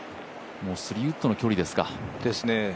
３ウッドの距離ですか。